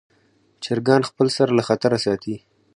چرګان خپل سر له خطره ساتي.